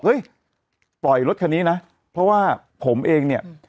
ปล่อยรถคันนี้นะเพราะว่าผมเองเนี่ย